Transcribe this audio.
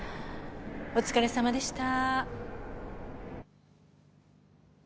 お疲れさまでした。